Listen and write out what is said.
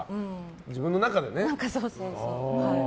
自分の中でね。